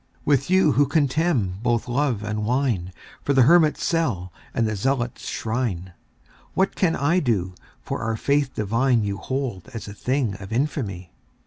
With you, who contemn both love and wine2 for the hermit's cell and the zealot's shrine, What can I do, for our Faith divine you hold as a thing of infamy?